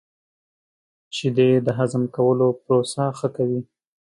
• شیدې د هضم کولو پروسه ښه کوي.